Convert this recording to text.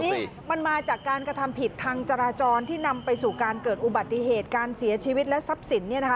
นี่มันมาจากการกระทำผิดทางจราจรที่นำไปสู่การเกิดอุบัติเหตุการเสียชีวิตและทรัพย์สินเนี่ยนะคะ